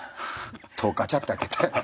戸をガチャって開けて。